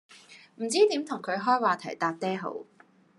唔知點同佢開話題搭嗲好